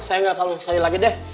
saya gak mau sekali lagi deh